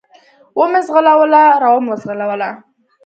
و مې زغلوله، را ومې زغلوله.